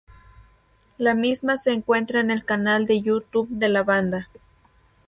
La misma se encuentra en el canal de YouTube de la banda.